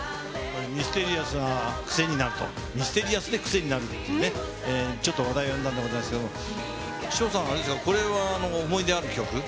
ミステリアスな、ミステリアスで癖になるっていうね、ちょっと話題を呼んだんでございますけれども、翔さん、これはこれは思い出ある曲？